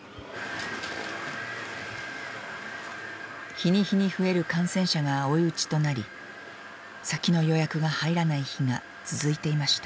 日に日に増える感染者が追い打ちとなり先の予約が入らない日が続いていました。